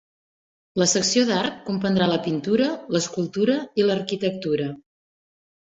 La secció d'art comprendrà la pintura, l'escultura i l'arquitectura.